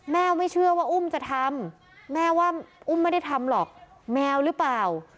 ไม่เชื่อว่าอุ้มจะทำแม่ว่าอุ้มไม่ได้ทำหรอกแมวหรือเปล่า